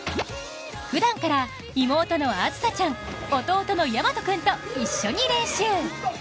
ふだんから妹の杏彩ちゃん、弟の大翔君と一緒に練習。